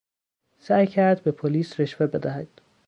سعی کرد به پلیس رشوه بدهد.